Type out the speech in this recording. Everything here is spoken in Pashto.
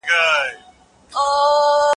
تېري سوي زمانې دي